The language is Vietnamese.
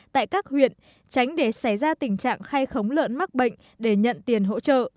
tại các huyện tránh để xảy ra tình trạng khai khống lợn mắc bệnh để nhận tiền hỗ trợ